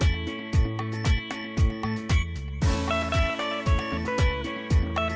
เกี่ยวกับสนุกที่จะปำราณอินไทย